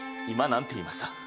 今なんて言いました？